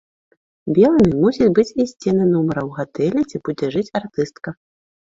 Белымі мусяць быць і сцены нумара ў гатэлі, дзе будзе жыць артыстка.